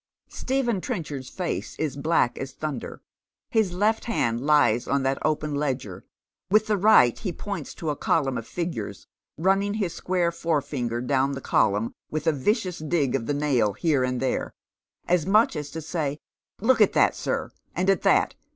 Stephen Trenchard's face is black as thunder. His left hand lies on that open ledger ; with the right he points to a column of figures, running his square forefinger down the column with a vicious dig of the nail here and there, as much as to say, " Look at that, sir, and at that